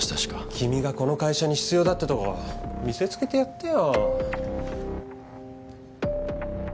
君がこの会社に必要だってとこ見せつけてやってよ。